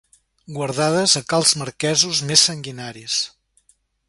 Guardades a cals marquesos més sanguinaris.